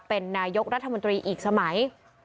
เป็นนายกรัฐมนตรีอีกสมัย